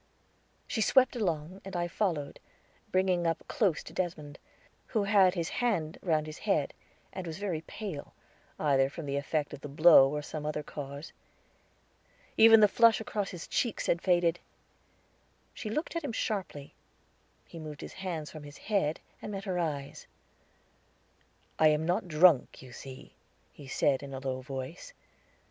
She swept along, and I followed, bringing up close to Desmond, who had his hand round his head, and was very pale, either from the effect of the blow or some other cause. Even the flush across his cheeks had faded. She looked at him sharply; he moved his hands from his head, and met her eyes. "I am not drunk, you see," he said in a low voice.